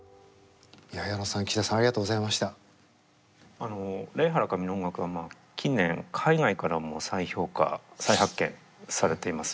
あのレイ・ハラカミの音楽は近年海外からも再評価再発見されています。